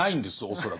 恐らく。